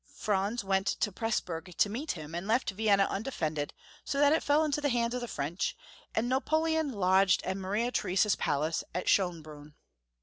Franz went to Presburg to meet him, and left Vienna undefended, so that it fell into the hands of the French, and Napoleon lodged in Maria Theresa's palace at Schonbrunn.